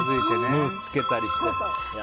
ムースつけたりして。